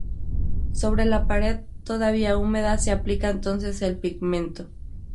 Sobre la pared todavía húmeda se aplica entonces el pigmento.